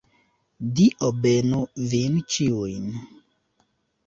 Dio benu vin ĉiujn.